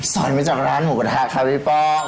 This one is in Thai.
สอนมาจากร้านหมูกระทะครับพี่ป้อง